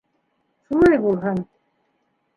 - Шулай булһын.